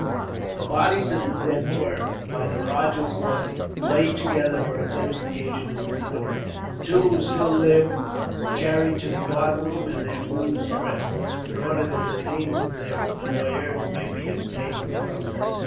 The bodies of the dead were, by the rajah's orders, laid together for identification in the morning. The two who still lived were carried to the guardroom, and their wounds dressed, in order that the names of their employers might be obtained from them.